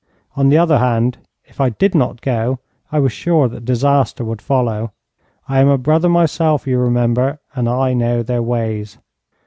On the other hand, if I did not go, I was sure that disaster would follow. I am a brother myself, you remember, and I know their ways.'